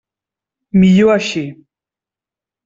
Millor així.